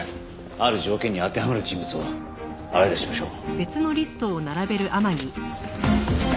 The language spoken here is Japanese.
ある条件に当てはまる人物を洗い出しましょう。